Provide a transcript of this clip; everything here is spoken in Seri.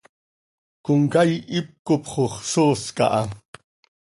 Comcaii hipcop xox soos caha.